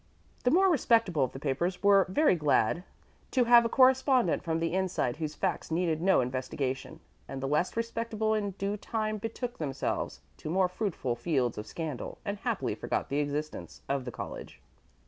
The more respectable of the papers were very glad to have a correspondent from the inside whose facts needed no investigation, and the less respectable in due time betook themselves to more fruitful fields of scandal and happily forgot the existence of the college.